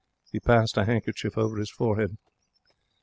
He passed a handkerchief over his forehead.